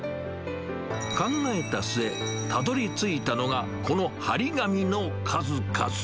考えた末、たどりついたのがこの貼り紙の数々。